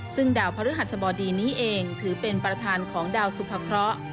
ซึ่งดาวพระฤหัสบดีนี้เองถือเป็นประธานของดาวสุภเคราะห์